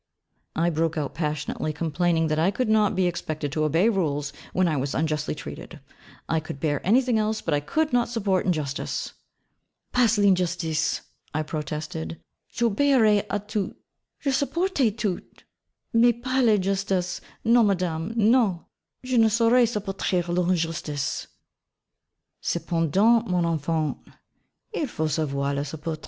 I broke out passionately complaining that I could not be expected to obey rules when I was unjustly treated: I could bear anything else, but I could not support injustice. 'Pas l'injustice,' I protested, 'j'obéirais a tout, je supporterais tout: mais, pas l'injustice, non, madame, non, je ne saurais supporter l'injustice.' 'Cependant, mon enfant, il faut savoir la supporter.